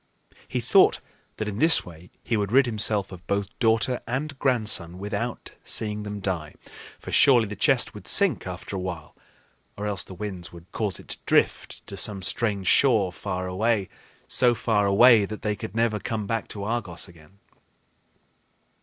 He thought that in this way he would rid himself of both daughter and grandson without seeing them die; for surely the chest would sink after a while, or else the winds would cause it to drift to some strange shore so far away that they could never come back to Argos again.